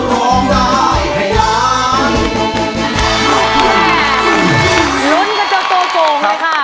ได้ครับ